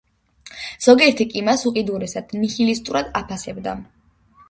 ზოგიერთი კი მას უკიდურესად ნიჰილისტურად აფასებდა.